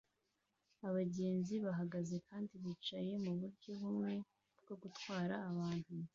Abagenzi bahagaze kandi bicaye muburyo bumwe bwo gutwara abantu